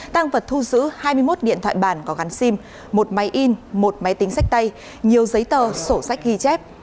tăng vật thu giữ hai mươi một điện thoại bản có gắn sim một máy in một máy tính sách tay nhiều giấy tờ sổ sách ghi chép